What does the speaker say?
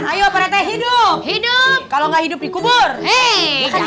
ayo percaya hidup hidup kalau nggak hidup dikubur hei